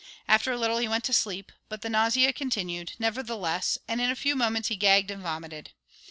After a little he went to sleep, but the nausea continued, nevertheless, and in a few moments he gagged and vomited.